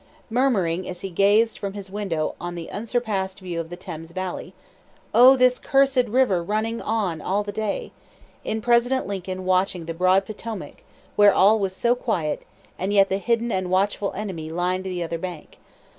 murmuring as he gazed from his castle window on the unsurpassed view of the Thames Valley, "Oh, this cursed river running on all the day!" in President Lincoln watching the broad Potomac where all was so quiet, and yet the hidden and watchful enemy lined the other bank.